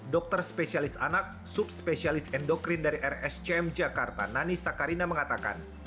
dokter spesialis anak subspesialis endokrin dari rscm jakarta nani sakarina mengatakan